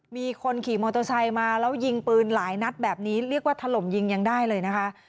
มีคนขี่มอเตอร์ไซค์มาแล้วยิงปืนหลายนัดแบบนี้เรียกว่าถล่มยิงยังได้เลยนะคะ